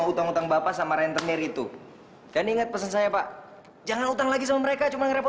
aku akan selalu melindungi kamu